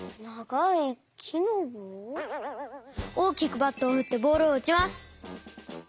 おおきくバットをふってボールをうちます。